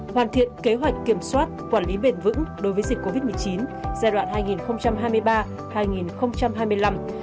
hoàn thiện kế hoạch kiểm soát quản lý bền vững đối với dịch covid một mươi chín giai đoạn hai nghìn hai mươi ba hai nghìn hai mươi năm